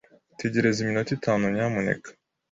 Tegereza iminota itanu, nyamuneka.